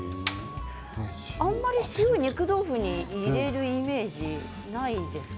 あまり塩は、肉豆腐に入れるイメージないですね。